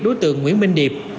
đối tượng nguyễn minh điệp